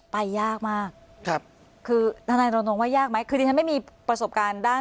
ยากมากครับคือทนายรณรงค์ว่ายากไหมคือดิฉันไม่มีประสบการณ์ด้าน